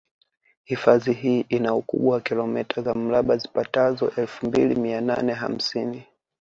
Hifadhi hii ina ukubwa wa kilometa za mraba zipatazo elfu mbili mia nane hamsini